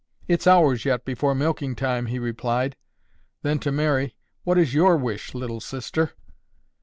"It's hours yet before milking time," he replied. Then to Mary, "What is your wish, Little Sister?"